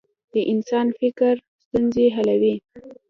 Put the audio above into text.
د انسان فکر ستونزې حلوي.